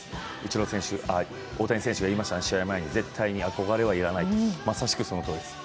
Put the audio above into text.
大谷選手が言いましたね、試合前に絶対に憧れは要らないと、まさしくそのとおりです。